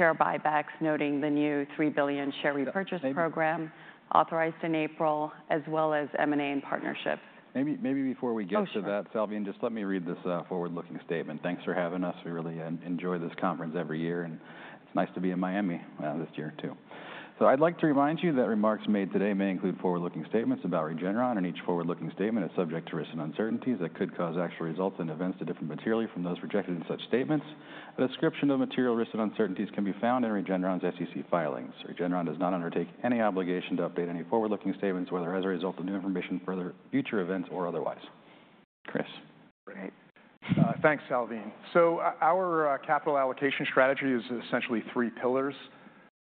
Share buybacks, noting the new $3 billion share repurchase program authorized in April, as well as M&A and partnerships. Maybe before we get to that, Salveen, just let me read this forward-looking statement. Thanks for having us. We really enjoy this conference every year, and it's nice to be in Miami this year too. So I'd like to remind you that remarks made today may include forward-looking statements about Regeneron. And each forward-looking statement is subject to risks and uncertainties that could cause actual results and events to differ materially from those projected in such statements. A description of material risks and uncertainties can be found in Regeneron's SEC filings. Regeneron does not undertake any obligation to update any forward-looking statements, whether as a result of new information, further future events, or otherwise. Chris. Right. Thanks, Salveen. So our capital allocation strategy is essentially three pillars.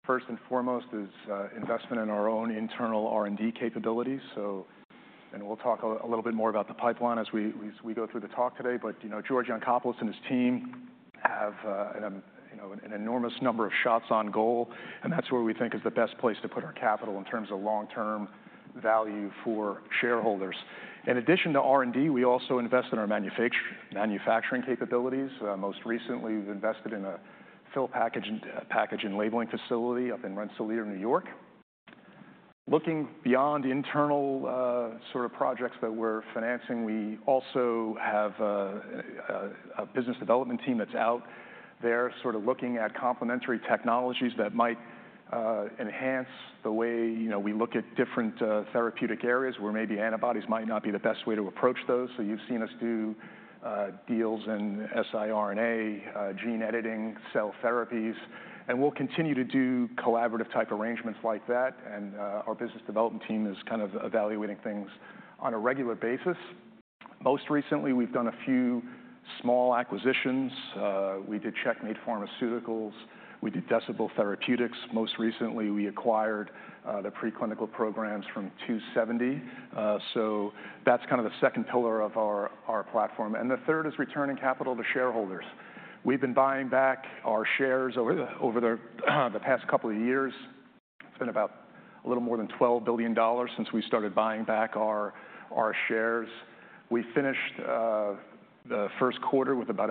First and foremost is investment in our own internal R&D capabilities. We'll talk a little bit more about the pipeline as we go through the talk today. George Yancopoulos and his team have an enormous number of shots on goal, and that's where we think is the best place to put our capital in terms of long-term value for shareholders. In addition to R&D, we also invest in our manufacturing capabilities. Most recently, we've invested in a fill package and labeling facility up in Rensselaer, New York. Looking beyond internal sort of projects that we're financing, we also have a business development team that's out there sort of looking at complementary technologies that might enhance the way we look at different therapeutic areas where maybe antibodies might not be the best way to approach those. You've seen us do deals in siRNA, gene editing, cell therapies. We'll continue to do collaborative type arrangements like that. Our business development team is kind of evaluating things on a regular basis. Most recently, we've done a few small acquisitions. We did Checkmate Pharmaceuticals. We did Decibel Therapeutics. Most recently, we acquired the preclinical programs from 2seventy Bio. That's kind of the second pillar of our platform. The third is returning capital to shareholders. We've been buying back our shares over the past couple of years. It's been about a little more than $12 billion since we started buying back our shares. We finished the first quarter with about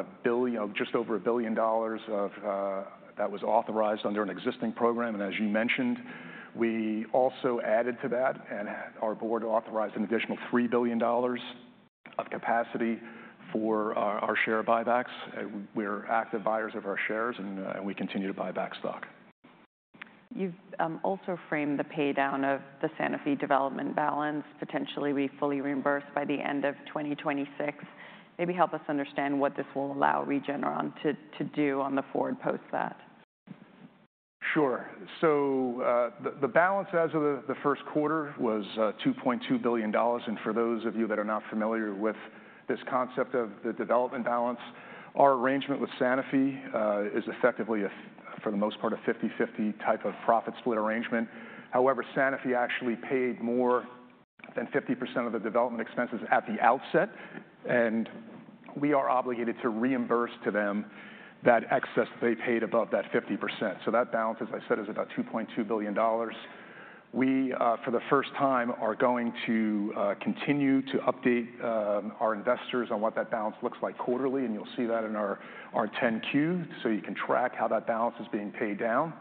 just over $1 billion that was authorized under an existing program. As you mentioned, we also added to that, and our board authorized an additional $3 billion of capacity for our share buybacks. We're active buyers of our shares, and we continue to buy back stock. You've also framed the paydown of the Sanofi development balance. Potentially, we fully reimburse by the end of 2026. Maybe help us understand what this will allow Regeneron to do on the forward post that? Sure. So the balance as of the first quarter was $2.2 billion. For those of you that are not familiar with this concept of the development balance, our arrangement with Sanofi is effectively, for the most part, a 50/50 type of profit split arrangement. However, Sanofi actually paid more than 50% of the development expenses at the outset, and we are obligated to reimburse to them that excess they paid above that 50%. So that balance, as I said, is about $2.2 billion. We, for the first time, are going to continue to update our investors on what that balance looks like quarterly. And you'll see that in our 10-Q so you can track how that balance is being paid down.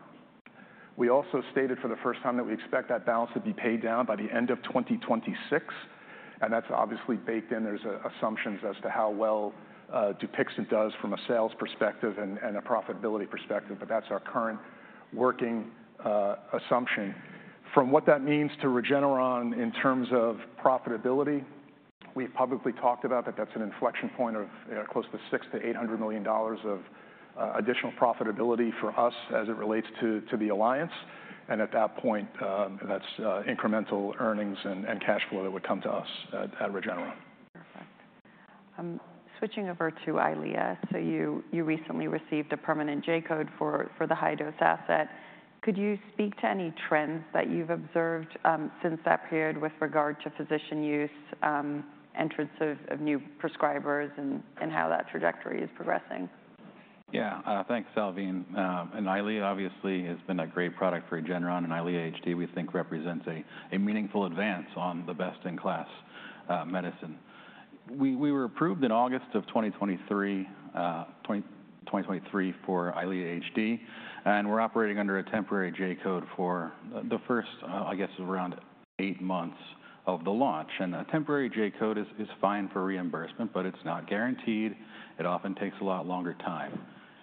We also stated for the first time that we expect that balance to be paid down by the end of 2026. And that's obviously baked in. There's assumptions as to how well Dupixent does from a sales perspective and a profitability perspective, but that's our current working assumption. From what that means to Regeneron in terms of profitability, we've publicly talked about that that's an inflection point of close to $600 million-$800 million of additional profitability for us as it relates to the alliance. At that point, that's incremental earnings and cash flow that would come to us at Regeneron. Perfect. I'm switching over to EYLEA. So you recently received a permanent J code for the high-dose asset. Could you speak to any trends that you've observed since that period with regard to physician use, entrance of new prescribers, and how that trajectory is progressing? Yeah. Thanks, Salveen. EYLEA, obviously, has been a great product for Regeneron. EYLEA HD, we think, represents a meaningful advance on the best-in-class medicine. We were approved in August of 2023 for EYLEA HD, and we're operating under a temporary J code for the first, I guess, around 8 months of the launch. A temporary J code is fine for reimbursement, but it's not guaranteed. It often takes a lot longer time.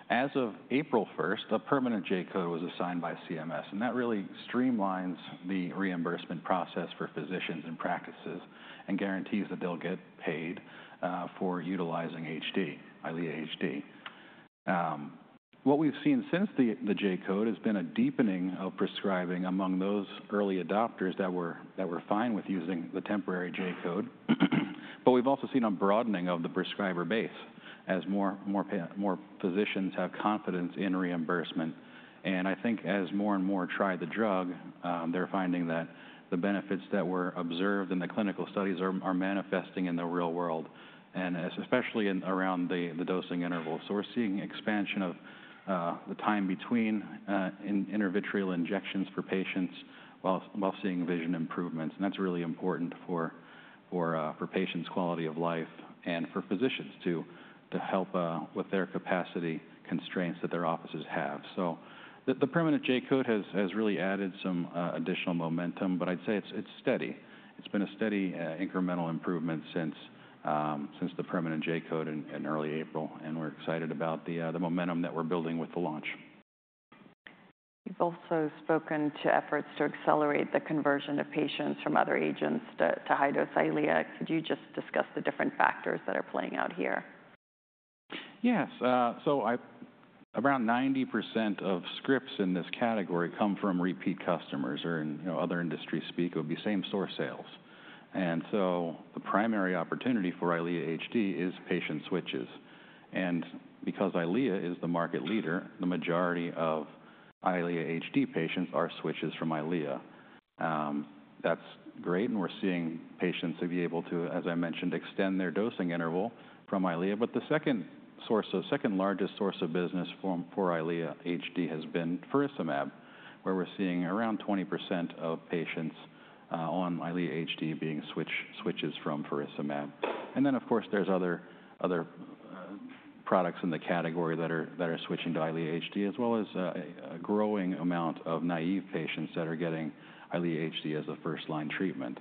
As of April 1st, a permanent J code was assigned by CMS, and that really streamlines the reimbursement process for physicians and practices and guarantees that they'll get paid for utilizing EYLEA HD. What we've seen since the J code has been a deepening of prescribing among those early adopters that were fine with using the temporary J code. But we've also seen a broadening of the prescriber base as more physicians have confidence in reimbursement. And I think as more and more try the drug, they're finding that the benefits that were observed in the clinical studies are manifesting in the real world, and especially around the dosing interval. So we're seeing expansion of the time between intravitreal injections for patients while seeing vision improvements. And that's really important for patients' quality of life and for physicians to help with their capacity constraints that their offices have. So the permanent J code has really added some additional momentum, but I'd say it's steady. It's been a steady incremental improvement since the permanent J code in early April, and we're excited about the momentum that we're building with the launch. You've also spoken to efforts to accelerate the conversion of patients from other agents to high-dose EYLEA. Could you just discuss the different factors that are playing out here? Yes. So around 90% of scripts in this category come from repeat customers or, in other industry speak, it would be same-store sales. And so the primary opportunity for EYLEA HD is patient switches. And because EYLEA is the market leader, the majority of EYLEA HD patients are switches from EYLEA. That's great, and we're seeing patients to be able to, as I mentioned, extend their dosing interval from EYLEA. But the second largest source of business for EYLEA HD has been faricimab, where we're seeing around 20% of patients on EYLEA HD being switches from faricimab. And then, of course, there's other products in the category that are switching to EYLEA HD, as well as a growing amount of naïve patients that are getting EYLEA HD as a first-line treatment.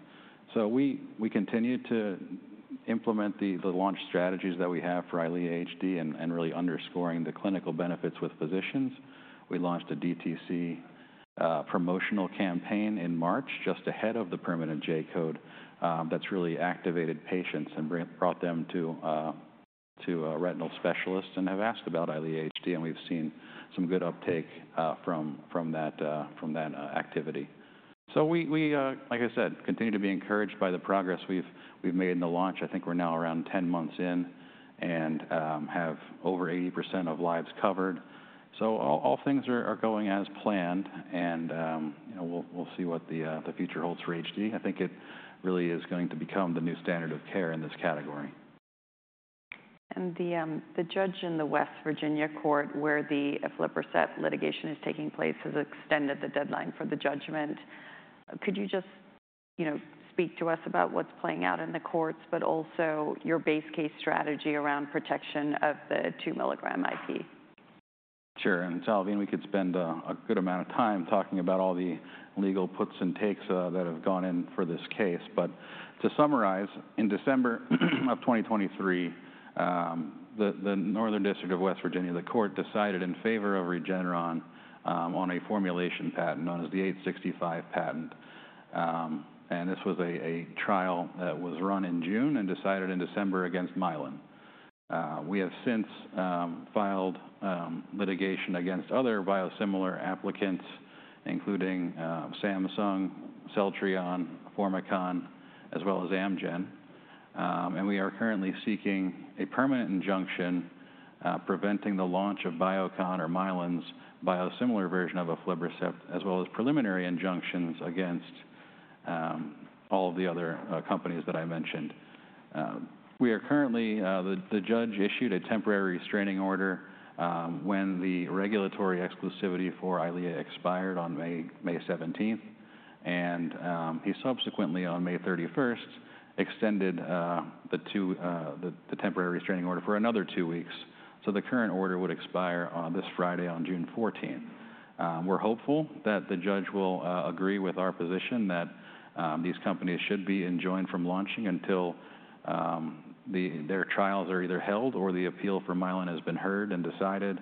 So we continue to implement the launch strategies that we have for EYLEA HD and really underscoring the clinical benefits with physicians. We launched a DTC promotional campaign in March just ahead of the permanent J code that's really activated patients and brought them to a retinal specialist and have asked about EYLEA HD. And we've seen some good uptake from that activity. So we, like I said, continue to be encouraged by the progress we've made in the launch. I think we're now around 10 months in and have over 80% of lives covered. So all things are going as planned, and we'll see what the future holds for HD. I think it really is going to become the new standard of care in this category. The judge in the West Virginia court where the aflibercept litigation is taking place has extended the deadline for the judgment. Could you just speak to us about what's playing out in the courts, but also your base case strategy around protection of the 2-mg IP? Sure. And Salveen, we could spend a good amount of time talking about all the legal puts and takes that have gone in for this case. But to summarize, in December of 2023, the Northern District of West Virginia, the court decided in favor of Regeneron on a formulation patent known as the 865 patent. And this was a trial that was run in June and decided in December against Mylan. We have since filed litigation against other biosimilar applicants, including Samsung, Celltrion, Formycon, as well as Amgen. And we are currently seeking a permanent injunction preventing the launch of Biocon or Mylan's biosimilar version of aflibercept, as well as preliminary injunctions against all of the other companies that I mentioned. The judge issued a temporary restraining order when the regulatory exclusivity for EYLEA expired on May 17th. He subsequently, on May 31st, extended the temporary restraining order for another two weeks. The current order would expire this Friday, on June 14th. We're hopeful that the judge will agree with our position that these companies should be enjoined from launching until their trials are either held or the appeal for Mylan has been heard and decided.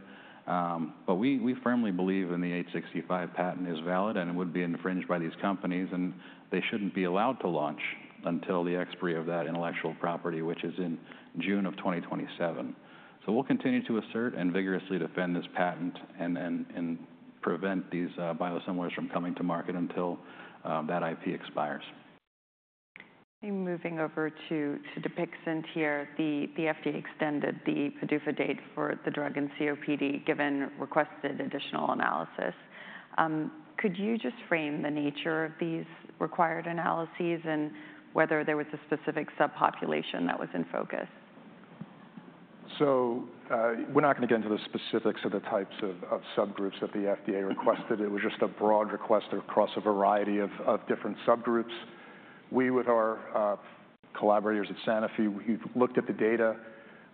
We firmly believe in the 865 patent is valid and would be infringed by these companies, and they shouldn't be allowed to launch until the expiry of that intellectual property, which is in June of 2027. We'll continue to assert and vigorously defend this patent and prevent these biosimilars from coming to market until that IP expires. Moving over to Dupixent here, the FDA extended the PDUFA date for the drug and COPD given requested additional analysis. Could you just frame the nature of these required analyses and whether there was a specific subpopulation that was in focus? So we're not going to get into the specifics of the types of subgroups that the FDA requested. It was just a broad request across a variety of different subgroups. We, with our collaborators at Sanofi, we've looked at the data.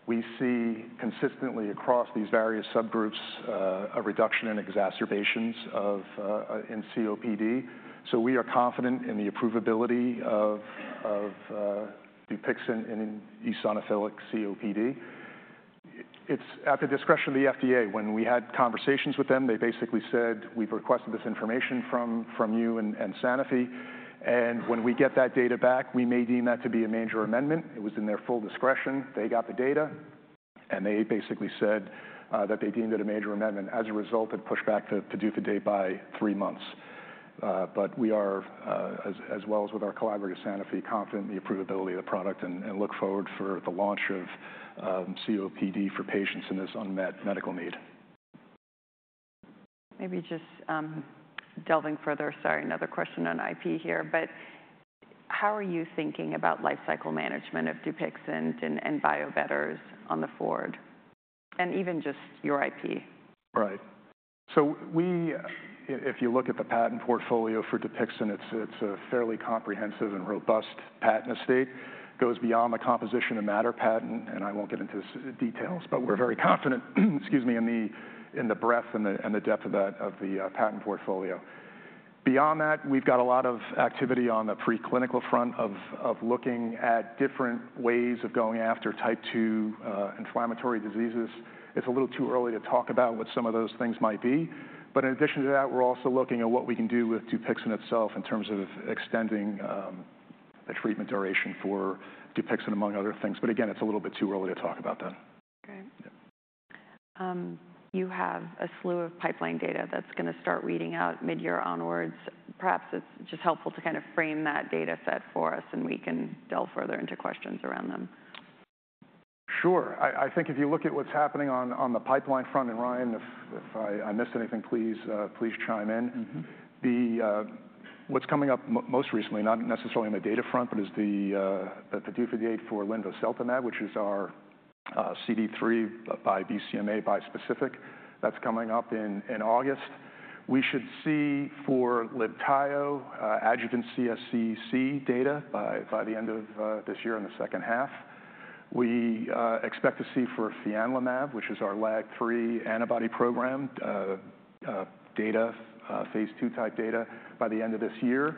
We see consistently across these various subgroups a reduction in exacerbations in COPD. So we are confident in the approvability of Dupixent and eosinophilic COPD. It's at the discretion of the FDA. When we had conversations with them, they basically said, "We've requested this information from you and Sanofi. And when we get that data back, we may deem that to be a major amendment." It was in their full discretion. They got the data, and they basically said that they deemed it a major amendment. As a result, it pushed back the PDUFA date by three months. We are, as well as with our collaborator Sanofi, confident in the approvability of the product and look forward for the launch of COPD for patients in this unmet medical need. Maybe just delving further, sorry, another question on IP here. How are you thinking about lifecycle management of Dupixent and biobetters going forward? And even just your IP. Right. So if you look at the patent portfolio for Dupixent, it's a fairly comprehensive and robust patent estate. It goes beyond the composition of matter patent, and I won't get into details, but we're very confident, excuse me, in the breadth and the depth of the patent portfolio. Beyond that, we've got a lot of activity on the preclinical front of looking at different ways of going after type two inflammatory diseases. It's a little too early to talk about what some of those things might be. But in addition to that, we're also looking at what we can do with Dupixent itself in terms of extending the treatment duration for Dupixent, among other things. But again, it's a little bit too early to talk about that. Okay. You have a slew of pipeline data that's going to start weeding out mid-year onwards. Perhaps it's just helpful to kind of frame that data set for us, and we can delve further into questions around them. Sure. I think if you look at what's happening on the pipeline front, and Ryan, if I missed anything, please chime in. What's coming up most recently, not necessarily on the data front, but is the PDUFA date for linvoseltamab, which is our CD3 by BCMA bispecific that's coming up in August. We should see for Libtayo adjuvant CSCC data by the end of this year in the second half. We expect to see for fianlimab, which is our LAG-3 antibody program, phase ll type data by the end of this year.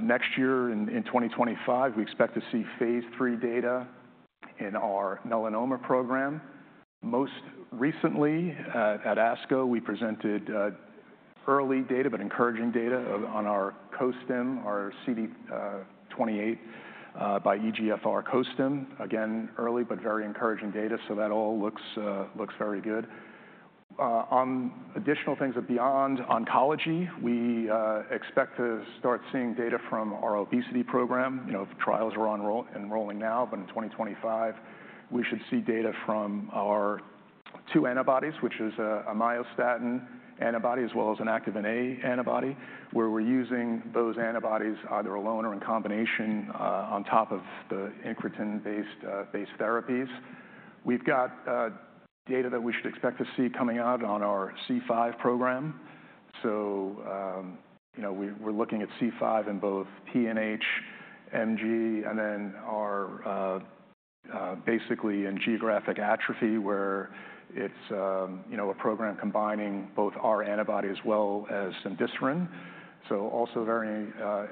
Next year in 2025, we expect to see phase lll data in our melanoma program. Most recently at ASCO, we presented early data, but encouraging data on our COSTIM, our CD28 by EGFR COSTIM. Again, early, but very encouraging data. So that all looks very good. On additional things beyond oncology, we expect to start seeing data from our obesity program. Trials are enrolling now, but in 2025, we should see data from our two antibodies, which is a myostatin antibody as well as an Activin A antibody, where we're using those antibodies either alone or in combination on top of the incretin-based therapies. We've got data that we should expect to see coming out on our C5 program. So we're looking at C5 in both PNH, MG, and then our basically in geographic atrophy, where it's a program combining both our antibody as well as cemdisiran. So also very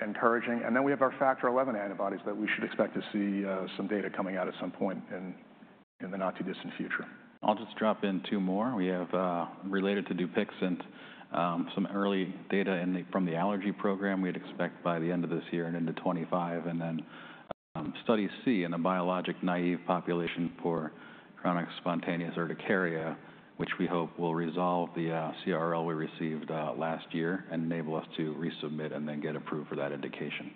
encouraging. And then we have our Factor XI antibodies that we should expect to see some data coming out at some point in the not-too-distant future. I'll just drop in two more. We have, related to Dupixent, some early data from the allergy program we'd expect by the end of this year and into 2025, and then Study C in a biologic naive population for chronic spontaneous urticaria, which we hope will resolve the CRL we received last year and enable us to resubmit and then get approved for that indication.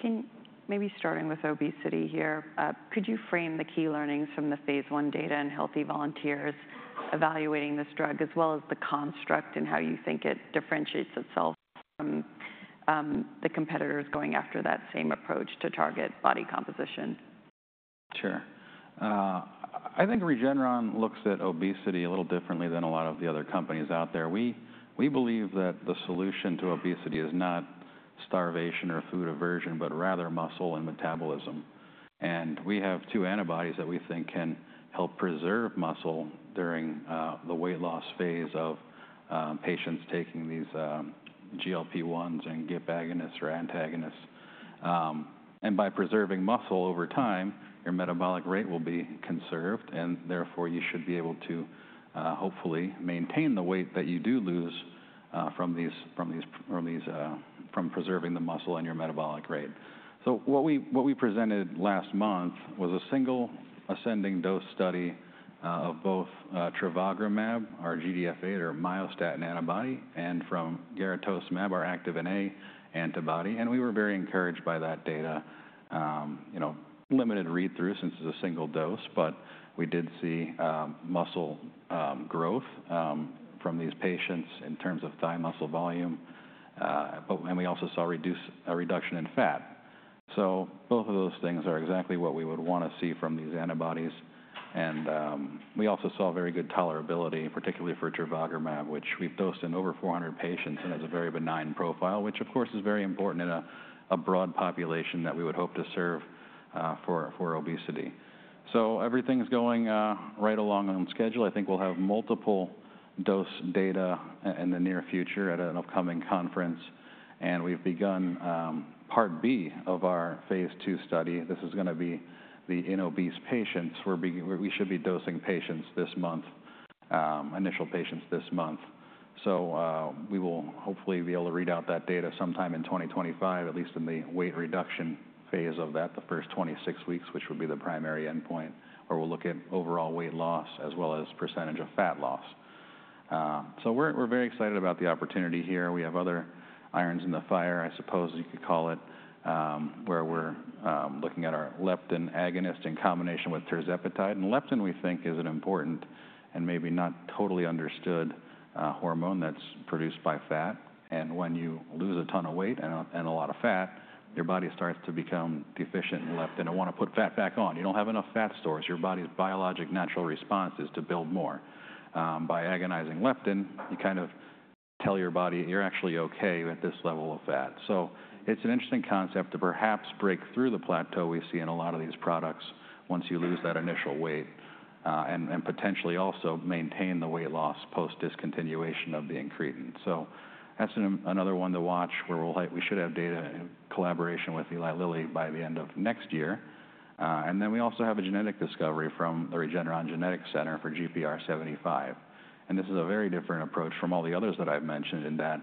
Can we maybe start with obesity here? Could you frame the key learnings from the phase l data in healthy volunteers evaluating this drug, as well as the construct and how you think it differentiates itself from the competitors going after that same approach to target body composition? Sure. I think Regeneron looks at obesity a little differently than a lot of the other companies out there. We believe that the solution to obesity is not starvation or food aversion, but rather muscle and metabolism. We have two antibodies that we think can help preserve muscle during the weight loss phase of patients taking these GLP-1s and GIP agonists or antagonists. By preserving muscle over time, your metabolic rate will be conserved, and therefore you should be able to hopefully maintain the weight that you do lose from preserving the muscle and your metabolic rate. What we presented last month was a single ascending dose study of both trevogrumab, our GDF-8 or myostatin antibody, and garetosemab, our Activin A antibody. We were very encouraged by that data, limited read-through since it's a single dose, but we did see muscle growth from these patients in terms of thigh muscle volume, and we also saw a reduction in fat. Both of those things are exactly what we would want to see from these antibodies. We also saw very good tolerability, particularly for trevogrumab, which we've dosed in over 400 patients and has a very benign profile, which of course is very important in a broad population that we would hope to serve for obesity. Everything's going right along on schedule. I think we'll have multiple dose data in the near future at an upcoming conference. We've begun part B of our phase ll study. This is going to be the in-obese patients. We should be dosing patients this month, initial patients this month. So we will hopefully be able to read out that data sometime in 2025, at least in the weight reduction phase of that, the first 26 weeks, which would be the primary endpoint, where we'll look at overall weight loss as well as percentage of fat loss. So we're very excited about the opportunity here. We have other irons in the fire, I suppose you could call it, where we're looking at our leptin agonist in combination with tirzepatide. And leptin, we think, is an important and maybe not totally understood hormone that's produced by fat. And when you lose a ton of weight and a lot of fat, your body starts to become deficient in leptin and want to put fat back on. You don't have enough fat stores. Your body's biologic natural response is to build more. By agonizing leptin, you kind of tell your body you're actually okay at this level of fat. So it's an interesting concept to perhaps break through the plateau we see in a lot of these products once you lose that initial weight and potentially also maintain the weight loss post discontinuation of the incretin. So that's another one to watch where we should have data in collaboration with Eli Lilly by the end of next year. And then we also have a genetic discovery from the Regeneron Genetics Center for GPR75. And this is a very different approach from all the others that I've mentioned in that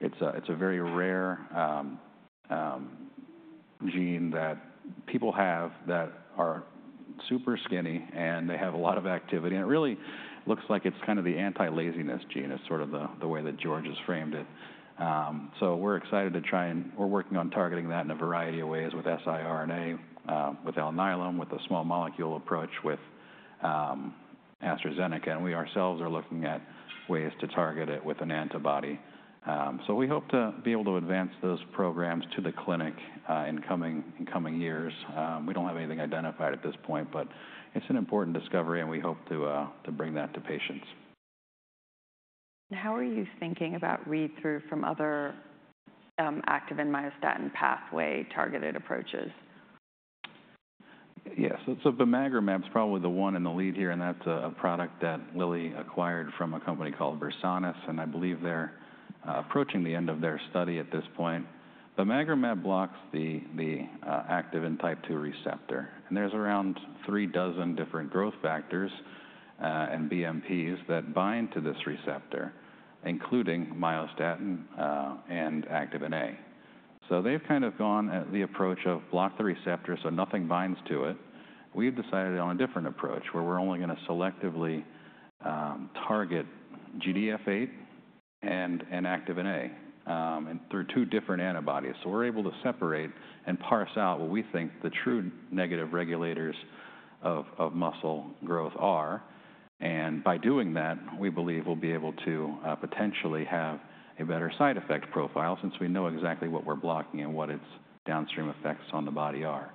it's a very rare gene that people have that are super skinny and they have a lot of activity. And it really looks like it's kind of the anti-laziness gene, is sort of the way that George has framed it. So we're excited to try and we're working on targeting that in a variety of ways with siRNA, with Alnylam, with the small molecule approach with AstraZeneca. And we ourselves are looking at ways to target it with an antibody. So we hope to be able to advance those programs to the clinic in coming years. We don't have anything identified at this point, but it's an important discovery and we hope to bring that to patients. How are you thinking about read-through from other Activin myostatin pathway targeted approaches? Yes. So bimagrumab is probably the one in the lead here, and that's a product that Lilly acquired from a company called Versanis. And I believe they're approaching the end of their study at this point. Bimagrumab blocks the Activin type 2 receptor. And there's around three dozen different growth factors and BMPs that bind to this receptor, including myostatin and Activin A. So they've kind of gone at the approach of block the receptor so nothing binds to it. We've decided on a different approach where we're only going to selectively target GDF-8 and Activin A through two different antibodies. So we're able to separate and parse out what we think the true negative regulators of muscle growth are. And by doing that, we believe we'll be able to potentially have a better side effect profile since we know exactly what we're blocking and what its downstream effects on the body are.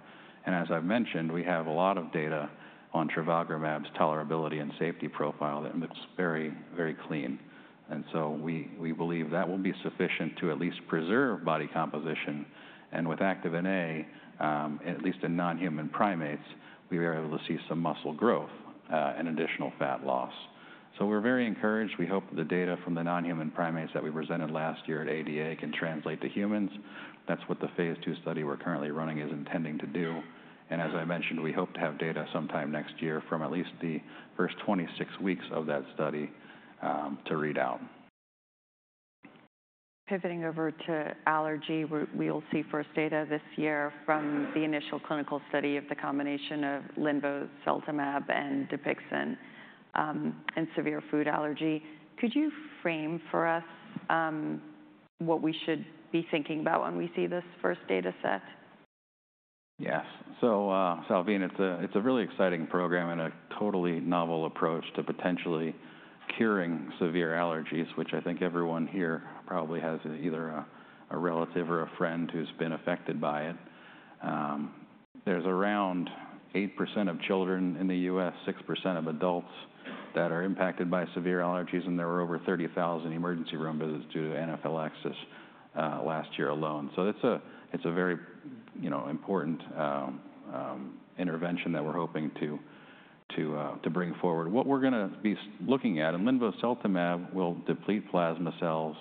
And as I've mentioned, we have a lot of data on trevogrumab's tolerability and safety profile that looks very, very clean. And so we believe that will be sufficient to at least preserve body composition. And with Activin A, at least in non-human primates, we are able to see some muscle growth and additional fat loss. So we're very encouraged. We hope the data from the non-human primates that we presented last year at ADA can translate to humans. That's what the phase ll study we're currently running is intending to do. And as I mentioned, we hope to have data sometime next year from at least the first 26 weeks of that study to read out. Pivoting over to allergy, we'll see first data this year from the initial clinical study of the combination of linvoseltamab and Dupixent and severe food allergy. Could you frame for us what we should be thinking about when we see this first data set? Yes. So Salveen, it's a really exciting program and a totally novel approach to potentially curing severe allergies, which I think everyone here probably has either a relative or a friend who's been affected by it. There's around 8% of children in the U.S., 6% of adults that are impacted by severe allergies, and there were over 30,000 emergency room visits due to anaphylaxis last year alone. So it's a very important intervention that we're hoping to bring forward. What we're going to be looking at, and linvoseltamab will deplete plasma cells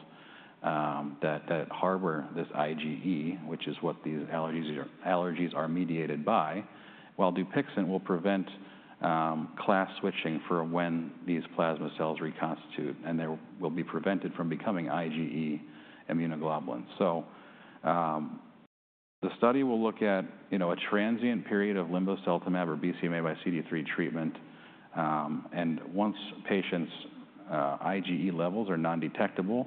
that harbor this IgE, which is what these allergies are mediated by, while Dupixent will prevent class switching for when these plasma cells reconstitute and they will be prevented from becoming IgE immunoglobulins. So the study will look at a transient period of linvoseltamab or BCMA by CD3 treatment. Once patients' IgE levels are non-detectable,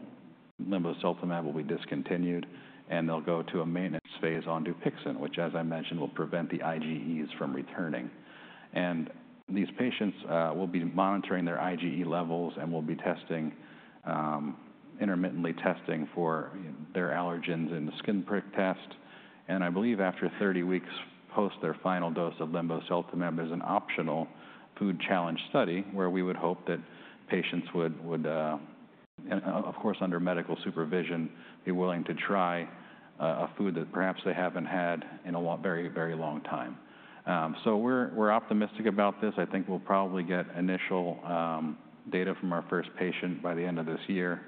linvoseltamab will be discontinued and they'll go to a maintenance phase on Dupixent, which, as I mentioned, will prevent the IgEs from returning. These patients will be monitoring their IgE levels and will be intermittently testing for their allergens in the skin prick test. I believe after 30 weeks post their final dose of linvoseltamab, there's an optional food challenge study where we would hope that patients would, of course, under medical supervision, be willing to try a food that perhaps they haven't had in a very, very long time. We're optimistic about this. I think we'll probably get initial data from our first patient by the end of this year.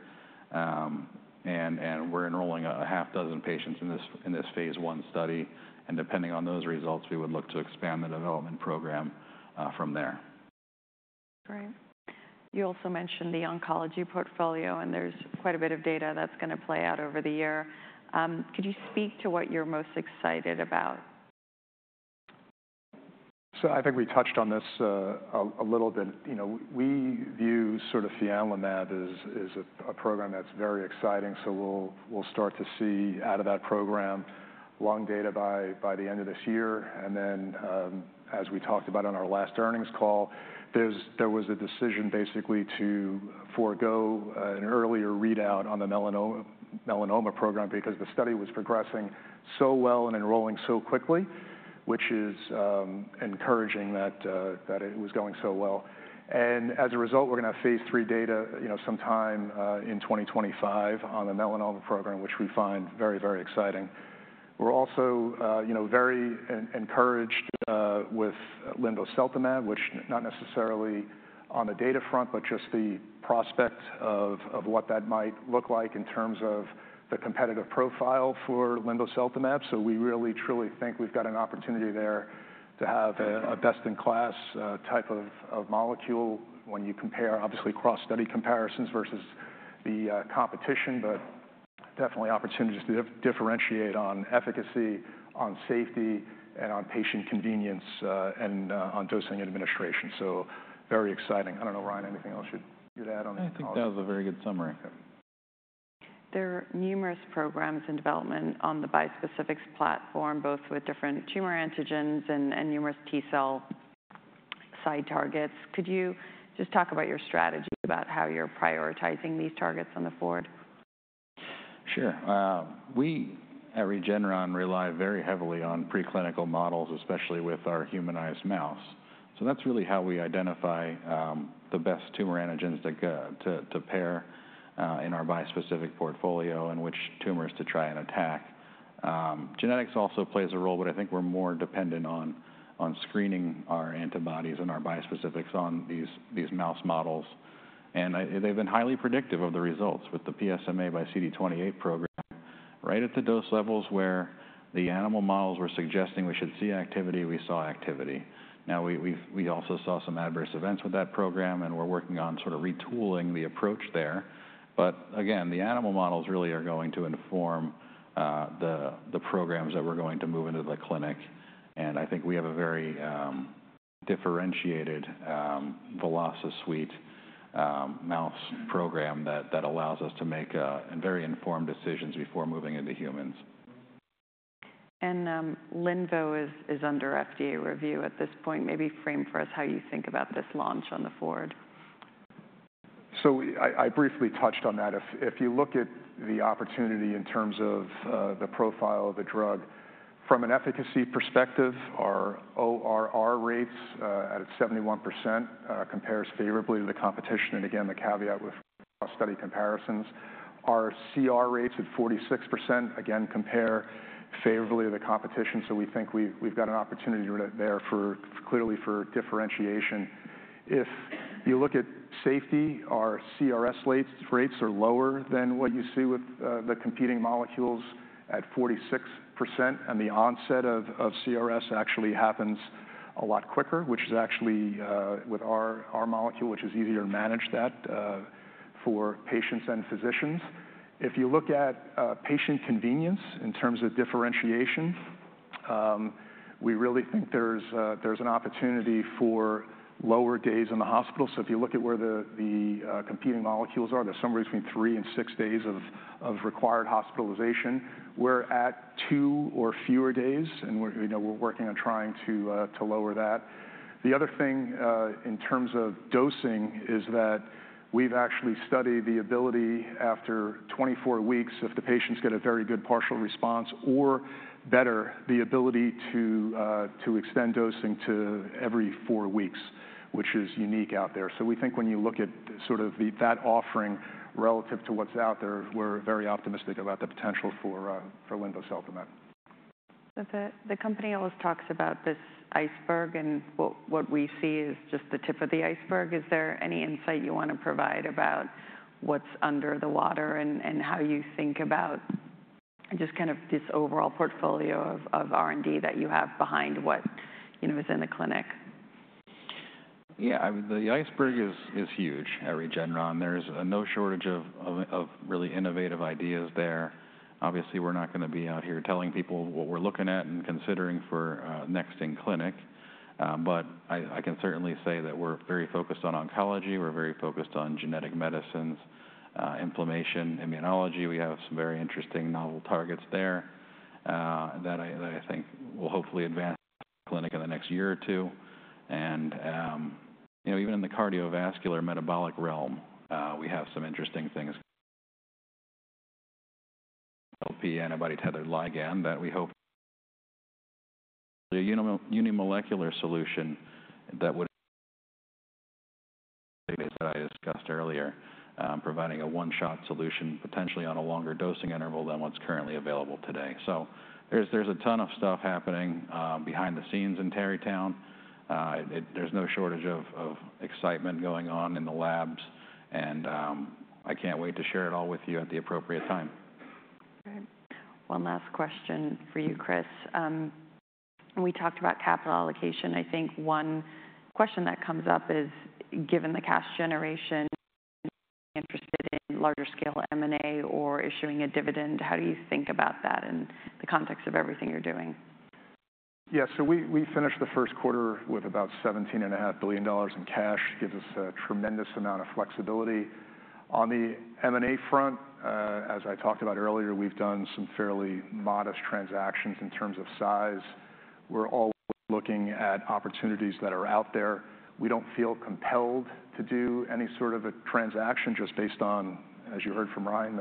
We're enrolling a half dozen patients in this phase l study. Depending on those results, we would look to expand the development program from there. Great. You also mentioned the oncology portfolio, and there's quite a bit of data that's going to play out over the year. Could you speak to what you're most excited about? So I think we touched on this a little bit. We view sort of fianlimab as a program that's very exciting. So we'll start to see out of that program long data by the end of this year. And then, as we talked about on our last earnings call, there was a decision basically to forego an earlier readout on the melanoma program because the study was progressing so well and enrolling so quickly, which is encouraging that it was going so well. And as a result, we're going to have phase lll data sometime in 2025 on the melanoma program, which we find very, very exciting. We're also very encouraged with linvoseltamab, which not necessarily on the data front, but just the prospect of what that might look like in terms of the competitive profile for linvoseltamab. So we really, truly think we've got an opportunity there to have a best-in-class type of molecule when you compare, obviously, cross-study comparisons versus the competition, but definitely opportunities to differentiate on efficacy, on safety, and on patient convenience and on dosing administration. So very exciting. I don't know, Ryan, anything else you'd add on that? I think that was a very good summary. There are numerous programs in development on the bispecifics platform, both with different tumor antigens and numerous T-cell side targets. Could you just talk about your strategy about how you're prioritizing these targets on the board? Sure. We at Regeneron rely very heavily on preclinical models, especially with our humanized mouse. So that's really how we identify the best tumor antigens to pair in our bispecific portfolio and which tumors to try and attack. Genetics also plays a role, but I think we're more dependent on screening our antibodies and our bispecifics on these mouse models. And they've been highly predictive of the results with the PSMA by CD28 program, right at the dose levels where the animal models were suggesting we should see activity, we saw activity. Now, we also saw some adverse events with that program, and we're working on sort of retooling the approach there. But again, the animal models really are going to inform the programs that we're going to move into the clinic. I think we have a very differentiated VelociSuite mouse program that allows us to make very informed decisions before moving into humans. Linvoseltamab is under FDA review at this point. Maybe frame for us how you think about this launch on the board. So I briefly touched on that. If you look at the opportunity in terms of the profile of the drug, from an efficacy perspective, our ORR rates at 71% compare favorably to the competition. And again, the caveat with cross-study comparisons, our CR rates at 46% again compare favorably to the competition. So we think we've got an opportunity there clearly for differentiation. If you look at safety, our CRS rates are lower than what you see with the competing molecules at 46%. And the onset of CRS actually happens a lot quicker, which is actually with our molecule, which is easier to manage that for patients and physicians. If you look at patient convenience in terms of differentiation, we really think there's an opportunity for lower days in the hospital. So if you look at where the competing molecules are, there's somewhere between 3 and 6 days of required hospitalization. We're at 2 or fewer days, and we're working on trying to lower that. The other thing in terms of dosing is that we've actually studied the ability after 24 weeks, if the patients get a very good partial response or better, the ability to extend dosing to every 4 weeks, which is unique out there. So we think when you look at sort of that offering relative to what's out there, we're very optimistic about the potential for linvoseltamab. The company always talks about this iceberg, and what we see is just the tip of the iceberg. Is there any insight you want to provide about what's under the water and how you think about just kind of this overall portfolio of R&D that you have behind what is in the clinic? Yeah, the iceberg is huge at Regeneron. There's no shortage of really innovative ideas there. Obviously, we're not going to be out here telling people what we're looking at and considering for next in clinic. But I can certainly say that we're very focused on oncology. We're very focused on genetic medicines, inflammation, immunology. We have some very interesting novel targets there that I think will hopefully advance the clinic in the next year or two. And even in the cardiovascular metabolic realm, we have some interesting things. Leptin antibody-tethered ligand that we hope unimolecular solution that would, that I discussed earlier, providing a one-shot solution potentially on a longer dosing interval than what's currently available today. So there's a ton of stuff happening behind the scenes in Tarrytown. There's no shortage of excitement going on in the labs. I can't wait to share it all with you at the appropriate time. Great. One last question for you, Chris. We talked about capital allocation. I think one question that comes up is, given the cash generation, interested in larger scale M&A or issuing a dividend, how do you think about that in the context of everything you're doing? Yeah, so we finished the first quarter with about $17.5 billion in cash. It gives us a tremendous amount of flexibility. On the M&A front, as I talked about earlier, we've done some fairly modest transactions in terms of size. We're always looking at opportunities that are out there. We don't feel compelled to do any sort of a transaction just based on, as you heard from Ryan,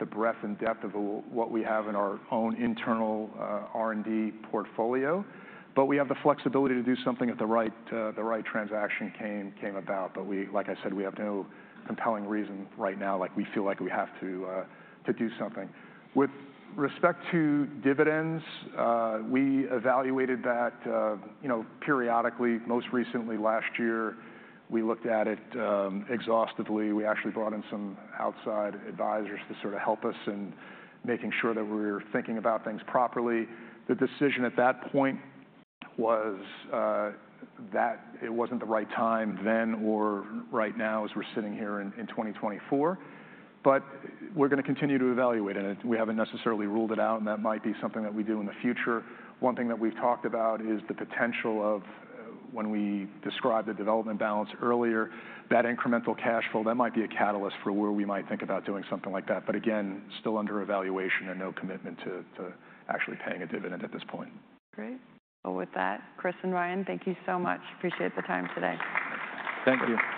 the breadth and depth of what we have in our own internal R&D portfolio. But we have the flexibility to do something if the right transaction came about. But like I said, we have no compelling reason right now like we feel like we have to do something. With respect to dividends, we evaluated that periodically. Most recently, last year, we looked at it exhaustively. We actually brought in some outside advisors to sort of help us in making sure that we're thinking about things properly. The decision at that point was that it wasn't the right time then or right now as we're sitting here in 2024. But we're going to continue to evaluate. And we haven't necessarily ruled it out, and that might be something that we do in the future. One thing that we've talked about is the potential of when we described the development balance earlier, that incremental cash flow, that might be a catalyst for where we might think about doing something like that. But again, still under evaluation and no commitment to actually paying a dividend at this point. Great. With that, Chris and Ryan, thank you so much. Appreciate the time today. Thank you.